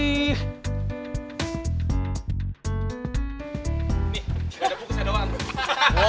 nih ada buku saya doang